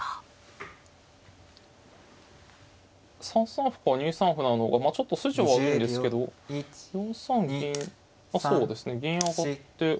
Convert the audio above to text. ３三歩から２三歩なのがちょっと筋は悪いんですけど４三銀あっそうですね銀上がって。